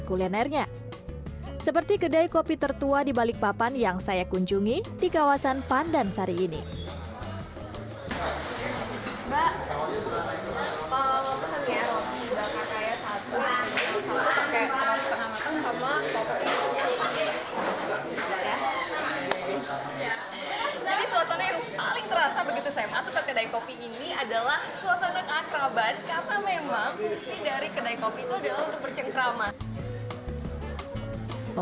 karena memang dari kedai kopi itu adalah untuk bercengkrama